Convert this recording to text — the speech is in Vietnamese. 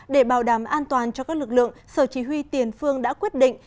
để bảo đảm an toàn cho các lực lượng sở chỉ huy tiền phương đã quyết định